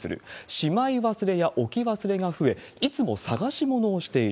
しまい忘れや置き忘れが増え、いつも探し物をしている。